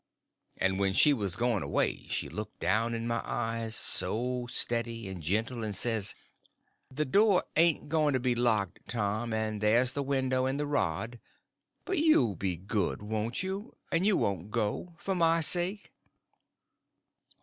And when she was going away she looked down in my eyes so steady and gentle, and says: "The door ain't going to be locked, Tom, and there's the window and the rod; but you'll be good, won't you? And you won't go? For my sake."